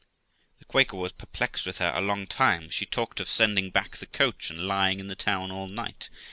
The Quaker was perplexed with her a long time ; she talked of sending back the coach, and lying in the town all night.